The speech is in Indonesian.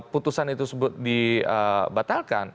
putusan itu dibatalkan